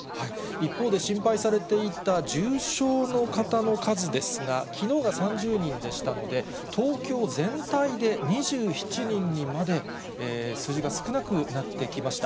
一方で心配されていた重症の方の数ですが、きのうが３０人でしたので、東京全体で２７人にまで数字が少なくなってきました。